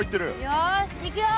よしいくよ！